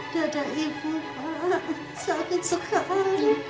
dada ibu pak sakit sekali